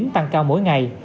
tăng cao mỗi ngày